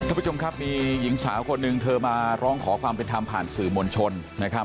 ท่านผู้ชมครับมีหญิงสาวคนหนึ่งเธอมาร้องขอความเป็นธรรมผ่านสื่อมวลชนนะครับ